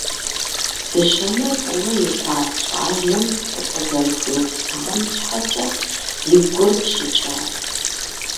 Дыщэнэ фӏыуэ илъагъу щӏалэм пцӏы къызэрыхуиупсам щхьэкӏэ и гур щыкӏат.